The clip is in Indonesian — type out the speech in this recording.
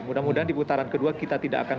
mudah mudahan di putaran kedua kita tidak akan